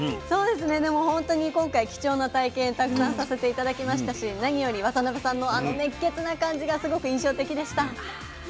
でもほんとに今回貴重な体験たくさんさせて頂きましたし何より渡邊さんのあの熱血な感じがすごく印象的でした。